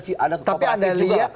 si adat adat tapi anda lihat